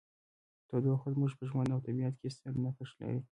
تودوخه زموږ په ژوند او طبیعت کې ستر نقش لري.